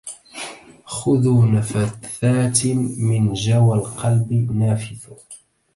خذوا نفثات من جوى القلب نافث